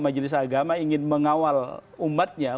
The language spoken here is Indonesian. majelis agama ingin mengawal umatnya